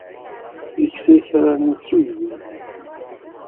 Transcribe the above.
Ikess akraren-nnes s uydi.